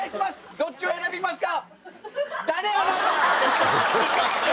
どっちを選びますか？